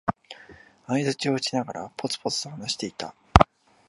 相づちを打ちながら、ぽつぽつと話していた。